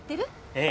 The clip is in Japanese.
ええ。